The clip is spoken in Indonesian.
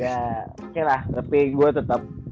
ya oke lah tapi gue tetap